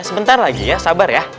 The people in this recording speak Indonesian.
sebentar lagi ya sabar ya